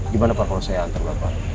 gimana pak kalau saya antar bapak